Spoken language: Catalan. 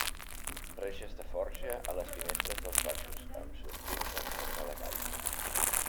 Reixes de forja a les finestres dels baixos, amb sortints en forma de gall.